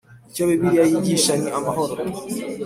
Icyo Bibiliya yigisha ni amahoro